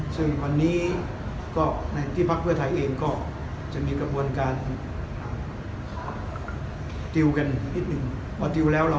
ซึ่งวันนี้ก็ที่พักเพื่อไทยเองก็กระบวนการดีลกันอีกนิดนึง